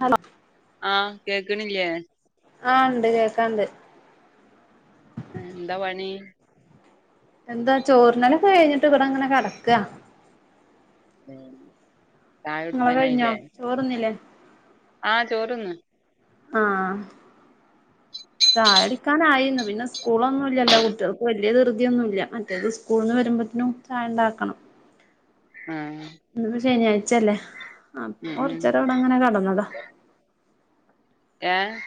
Hello? ആഹ് കേക്ക്ണ്ല്ലേ? ആ ഇണ്ട് കേക്കാണ്ട്. ഏന് എന്താ പണി. എന്താ ചോറിന്നലൊക്കെ കെയ്ഞ്ഞിട്ട് ഇവിടെ അങ്ങനെ കെടക്കാ. [unintelligible] ചായ നിങ്ങള കഴിഞ്ഞോ കുടിച്ചാനായില്ലേ ചോറിന്നില്ലേ? ആഹ് ചോറിന്ന്. ആഹ് ചായ കുടിക്കാനായിന്ന് പിന്നെ സ്കൂളൊന്നുല്ലല്ലോ കുട്ട്യൾക്ക് വല്യയ ധൃതിയൊന്നുല്ല മറ്റേത് സ്കൂൾന്ന് വരുമ്പോത്തിനും. ചായണ്ടാക്കണം. ആഹ് ഇന്ന് ശെനിയാഴ്ചല്ലേ ആപ്പ ഉം ഉം കുറച്ചേര അവിടെ അങ്ങനെ കടന്നതാ. ഏഹ്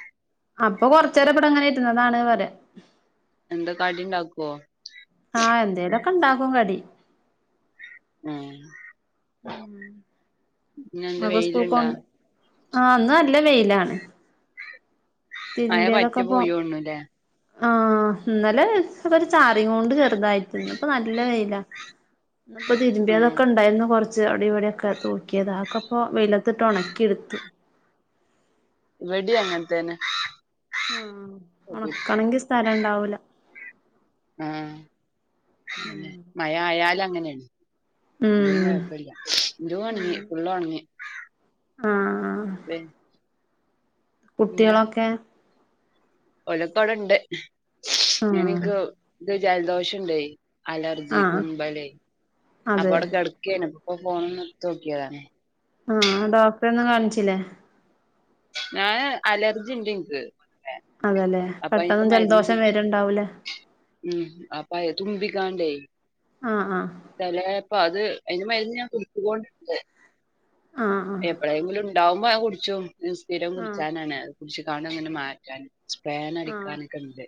അപ്പൊ കൊറച്ചേരെ ഇബടെ ഇങ്ങനെ ഇരുന്നതാണ് പറയാ എന്താ കടിണ്ടാക്കുവോ ആഹ് എന്തേലൊക്കെ ഇണ്ടാക്കുംകടി. ഏഹ് ഉം ഇന്നെന്ത് അപ്പൊ വെയിലുണ്ടാ സ്കൂൾക്കൊണ്ട ആഹ് ഇന്ന് നല്ല വെയിലാണ്. മഴ തിരുമ്പിയതൊക്കെ പറ്റെ പൊ പോയോണുല്ലേ ആഹ് ഇന്നലെച്ചക്കൊരു ചാറികൊണ്ട് ചെറുതായിട്ടിന്ന് ഇപ്പൊ നല്ല വെയിലാ. ഇപ്പൊ ഉം തിരുമ്പിയതൊക്കെ ഇണ്ടായിരുന്നു കൊറച്ച്. ച്ച് അവിടെയിവിടെ തൂക്കിയത് ആക്കപ്പൊ വെയിലത്തിട്ട് ഒണക്കിയെടുത്തു. ഇവിടിം അങ്ങനത്തേനെ. ആ ഉണക്കണമെങ്കി സ്ഥലം ഇണ്ടാവൂലൊ. ആ ഉം പിന്നെ മഴ ആയാലും അങ്ങനെയാണ്. ഇവിടെ ഉം കുഴപ്പമില്ല ഇവിടെ ഉണങ്ങി ഉം ഫുള്ളും ഉണങ്ങി. ആഹ് [inaudible] കുട്ടികളൊക്കെ ഒല്ഒകൊവടൊണ്ട് ഞാൻ ആഹ് എനിക്ക് ഇജലദോഷം ഇണ്ടോയ്. അലർജി ആഹ് തുമ്പല് അപ്പൊ അതെ അവിടെ കിടക്കയാണ്. അപ്പൊ ഫോണൊന്ന് എടുത്തു നോക്കിയതാണ്. ആ ഡോക്ടറെ ഒന്നും കാണിച്ചില്ലേ? ഞാന് അലർജി ഉണ്ട് എനിക്ക് അതല്ലെ അപ്പൊ അതിന്റെ പെട്ടന്ന് മരുന്ന് ജലദോഷം കുടിച്ചു വരുണ്ടാവൂലേ. ഉം അപ്പയ തുമ്പിക്കോണ്ടേ ആഹ് ആഹ് ചെലപ്പം അത് അതിന് മരുന്ന് ഞാൻ കുടിക്കുന്നൊണ്ട് ആഹ് ആഹ് എപ്പോഴെങ്കിലും. ണ്ടാകുമ്പോ അങ്ങ് കുടിച്ചും സ്ഥിരം ആഹ് കുടിച്ചാനാണ് കുടിച്ചു കൊണ്ട് അങ്ങനെ മാറ്റാൻ. സ്പേൻ ആഹ് അടിക്കാനൊക്കെണ്ട്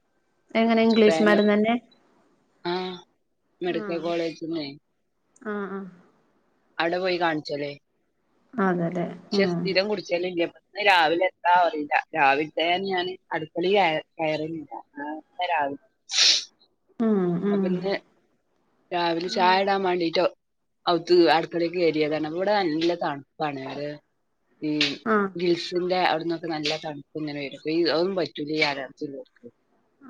എങ്ങനെ ഇംഗ്ലീഷ് സ്പേന് മരുന്ന് തന്നെ മെഡിക്കൽ ആഹ് കോളേജിന്നേ ആഹ് ആഹ് അവിടെ പോയി കാണിച്ചല്ലേന്. അതെല്ലെ പക്ഷെ സ്ഥിരം കുടിച്ചാല് ഇല രാവിലെ എന്താ എന്ന് അറിയില്ല, രാവിലത്തെന ഞാൻ അടുക്കളയിൽ കയറിയില്ല. [unintelligible] ആ രാവിലെ ഉം അപ്പൊ ഉം ഇന്ന് രാവിലെ നീ ചായടാൻ മാണ്ടിട്ടോ അവുത്ത് അടക്കളേക്കേറിയതാണ് ഇവിടെ നല്ല തണുപ്പാണ് അത് ഹ്മ്മ് ആഹ് കിൽസിന്റെ അവ്ട്ന്നൊക്കെ നല്ല തണ്പ്പ്ങ്ങനെ വരും ഇ അതും പറ്റൂല ഈ അലർജില്ലോർക്ക്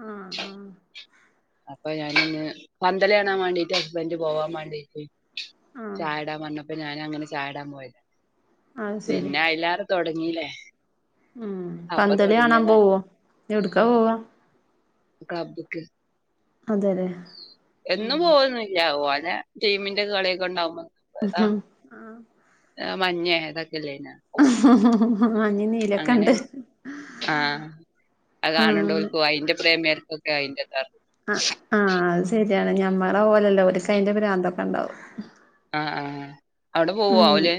ആഹ് ആഹ് അപ്പ ഞാന് ന്ന് പന്തളിയാണാൻ വാണ്ടീട്ട് ഹസ്ബൻഡ് പോവാൻ മാണ്ടീട്ട് ആഹ് ചായടാൻ പറന്നപ്പ ഞാനങ്ങനെ ചായടാൻ പോയതാ അത് ശരി പിന്നെ അയില്ലേറെ തൊടങ്ങീല്ലേ ഹ്മ്മ് പന്തളിയാണാൻ പോവും ഒടുക്കാ പോവാ ക്ലബ്ബ്ക്ക് അതെല്ലേ [inaudible] ഉം എന്നും പോവൊന്നില്ലാ ഓലെ ടീമിന്റെ കളിയൊക്കെ ഇണ്ടാവുമ്പോ ഏതാ മഞ്ഞെ ഇതൊക്കെല്ല്യേനോ [inaudible] അങ്ങനെ അങ്ങനെ ആഹ് അത് ആഹ് കാണ്ണ്ടോൽക്ക് അയിന്റെ പ്രേമേൾക്ക് ക്കെ അയിന്റെതാ ആഹ് ആഹ് അത് ശെരിയാണ് ഞമ്മളെ പോലല്ലാ ഓൽക്കയിന്റെ ഭ്രാന്തൊക്കെ ഇണ്ടാവും ആഹ് ആഹ് അവിടെ പോവോ ആഹ് ഓല്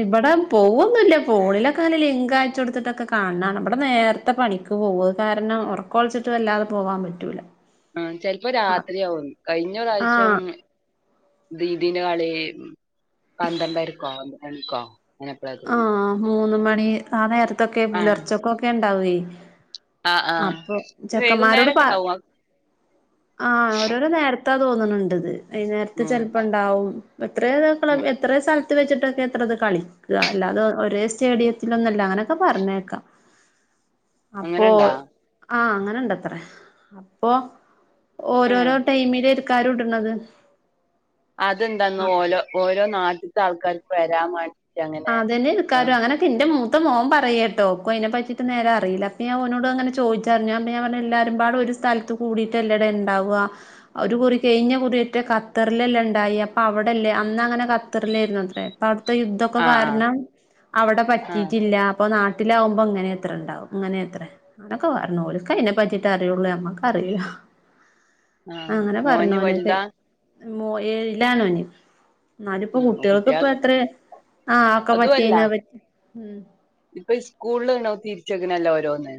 ഇവടെ പോവൊന്നില്ല ഫോണിലൊക്കങ്ങനെ ലിങ്കയച്ച് കൊടുത്തിട്ടൊക്കെ കാണ്ണം ഇവടെ നേർ ര്ത്തെ പണിക്ക് പോകും അത് കാരണം ഒറക്കൊയിച്ചിട്ട് വല്ലാതെ പോകാൻ പറ്റൂല ആഹ് ചെലപ്പോ രാത്രിയാവും കഴിഞ്ഞ പ്രാവശ്യം ആഹ് ഇതിന്റെ കളി പന്ത്രണ്ടരക്കോ ഒന്നരക്കോ അങ്ങനെ എപ്പളാ തോന്ന്ണ് ആഹ് മൂന്ന് മണി ആ നേരത്തൊക്കെ ആഹ് പുലർച്ചൊക്കൊക്കെ ഇണ്ടാവേ ആഹ് ആഹ് അപ്പൊ ചെക്കന്മാരോട് പ വൈകുന്നേരൊക്കെ ഉണ്ടാവും ആഹ് ആഹ് ഓരോരോ നേര ത്താ തോന്ന്ണ് ണ്ട്ത് വൈന്നേരത്തെ ഉം ചെലപ്പണ്ടാവും എത്രയോ ഉം. [unintelligible] എത്രയോ സ്ഥലത്ത് വെച്ചിട്ടൊക്കെ ഇത്രത് കളി അല്ലാതെ ഒരേ സ്റ്റേഡിയത്തിലൊന്നുല്ല അങ്ങനൊക്കെ പറഞ്ഞേക്കാം അപ്പൊ അങ്ങനെണ്ടാ ആഹ് അങ്ങനെണ്ടത്രേ അപ്പൊ ആഹ് ഓരോരോ ടൈമിലേക്കാരം ഇട്ണത് ആ അതെന്തെന്നൊ ഓലോ ഓരോ നാട്ട്ത്തെ ആൾക്കാർക്ക് വരാൻ മാണ്ടി അതന്നെൽക്കാരം അങ്ങനെ ഇന്റെ മുത്ത മോൻ പറയട്ടോ ഇന്ക്കും അതിനെ പറ്റിട്ട് നേരെ അറില്ല അപ്പ ഞാൻ ഓനൊടങ്ങനെ ചോയിച്ച് [unintelligible] ഞൻ പറഞ്ഞ് എല്ലാരുംപാടെ ഒര് സ്ഥലത്ത് കൂടിയിട്ടല്ലടെ ഇണ്ടാവാ ഒരു കുറി കഴിഞ്ഞ കുറിയറ്റ കത്തറിലല്ലേ ഇണ്ടായേ അപ്പ അവടല്ലേ അന്നങ്ങനെ കത്തറിലായിരുന്നത്രേ അവട്ത്തെ യുദ്ധൊക്കെ ആഹ് കാരണം അവടെ ആഹ് പറ്റിട്ടില്ല. അപ്പ നാട്ടിലാകുമ്പോ ഇങ്ങനെത്ര ഇണ്ടാവാ ഇങ്ങനെത്രേ അനൊക്കെ പറഞ്ഞു ഓൽക്കല്ലേ അയിനെ പറ്റിട്ട് അറിയൊള്ളൂ അമ്മക്കറില്ല ആഹ് അങ്ങനെ മോന് പറഞ്ഞോനത്. വലുതാ മോ ഏഴ്ല്ലാണോന് ഇന്നാല്ക്ക്പ്പോ ആഹ് കുട്ട്യാക്ക് കുട്ടിയേൾക്ക്പ്പത്രേ ആഹ് ഒക്കെ പറ്റി എങ്ങനെ പ ഹ്മ്മ് ഇപ്പ സ്കൂളിലിങ്ങനെ തിരിച്ചക്ക്നല്ലോ ഓരോന്ന്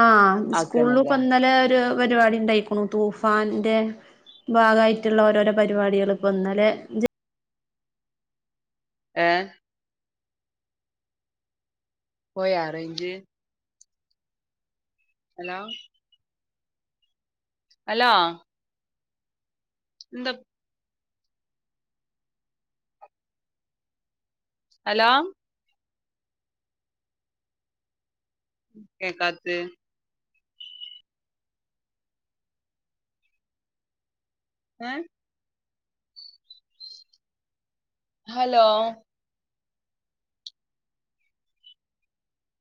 ആഹ് ആക്കണല്ലേ സ്കൂള്ല്പ്പന്നലെ ഒര് പരിപാടി ഇണ്ടായിക്ക്ണു തൂഫാന്റെ ഭാഗമായിട്ട്ള്ള ഓരോരോ പരിപാടികള് ഇപ്പ ഇന്നലെ ജ ഏഹ് പോയ റൈഞ്ച് ഹലോ അലോ എന്ത ഹലോ കേൾക്കാത്ത് ഏ ഹലോ